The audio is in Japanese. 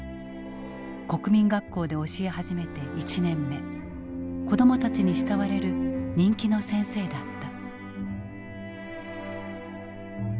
国民学校で教えはじめて１年目子供たちに慕われる人気の先生だった。